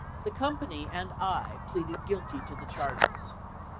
The company and I pleaded guilty to the charges.